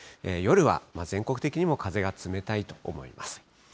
夜は全国的にも風が冷たいと思います。